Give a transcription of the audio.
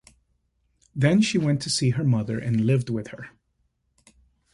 Then she went to see her mother and lived with her.